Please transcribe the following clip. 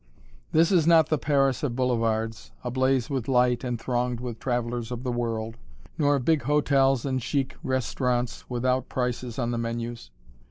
[Illustration: LAVOIR GABRIEL] This is not the Paris of Boulevards, ablaze with light and thronged with travelers of the world, nor of big hotels and chic restaurants without prices on the ménus.